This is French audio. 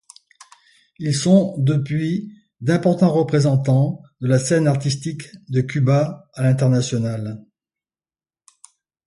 Ils sont depuis d'importants représentants de la scène artistique de Cuba à l'international.